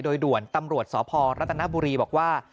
โดยด่วนตำรวจสพรัฐนบุรีบอกว่า